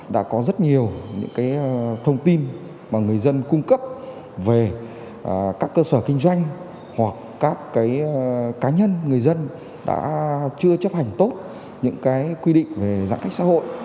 đã có rất nhiều những thông tin mà người dân cung cấp về các cơ sở kinh doanh hoặc các cá nhân người dân đã chưa chấp hành tốt những quy định về giãn cách xã hội